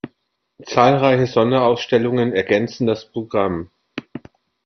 Zahlreiche Sonderausstellungen ergänzen das Programm.